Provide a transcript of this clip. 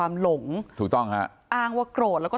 ฝ่ายกรเหตุ๗๖ฝ่ายมรณภาพกันแล้ว